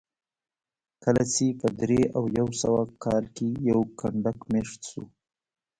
کله چې په درې او یو سوه کال کې یو کنډک مېشت شو